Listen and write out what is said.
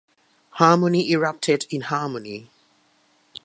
Harmony erupted in Harmony.